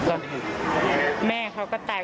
เอิญมาอินผู้ตาย